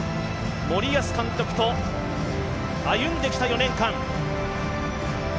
森保監督と歩んできた４年間。